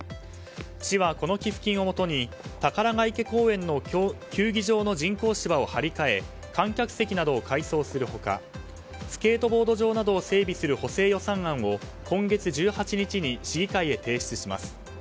市はこの寄付金をもとに宝が池公園の球技場の人工芝を張り替え、観客席などを改装する他スケートボート場を整備する予算案を今月１８日に市議会へ提出します。